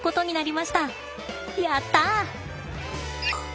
やった！